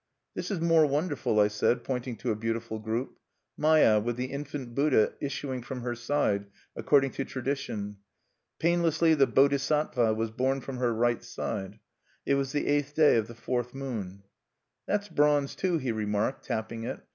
"This is more wonderful," I said, pointing to a beautiful group, Maya with the infant Buddha issuing from her side, according to tradition. Painlessly the Bodhisattva was born from her right side. It was the eighth day of the fourth moon. "That's bronze, too," he remarked, tapping it.